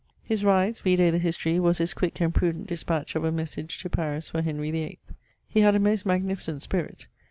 His rise (vide the History) was his quick and prudent dispatch of a message to Paris for Henry 8. He had a most magnificent spirit.